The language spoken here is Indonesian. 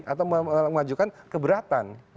atau mewajukan keberatan